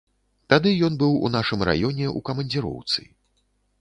Тады ён быў у нашым раёне ў камандзіроўцы.